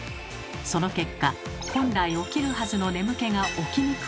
その結果本来起きるはずの眠気が起きにくくなる。